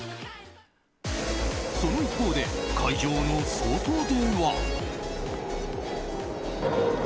その一方で、会場の外では。